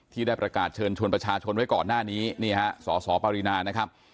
ที่ได้ประกาศเชิญชวนประชาชนไว้ก่อนหน้านี้นี่ฮะสสปรินานะครับ